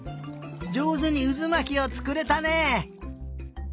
じょうずにうずまきをつくれたね！